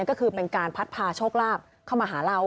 ก็คือเป็นการพัดพาโชคลาภเข้ามาหาเรา